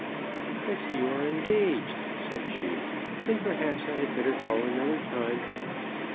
"I see you are engaged," said she, "and, perhaps, I had better call another time."